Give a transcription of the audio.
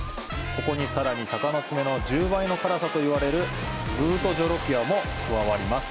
ここに、さらに鷹の爪の１０倍の辛さと言われるブートジョロキアも加わります。